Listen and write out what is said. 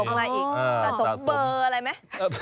สะสมอะไรอีกสะสมเบอร์อะไรมั้ย